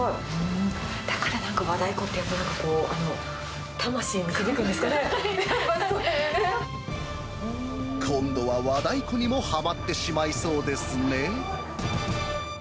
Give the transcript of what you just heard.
だからなんか和太鼓って、今度は和太鼓にもはまってしまいそうですね。